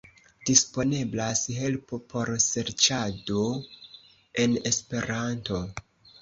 Disponeblas helpo por serĉado en Esperanto.